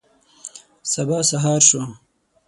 سبا سهار شو.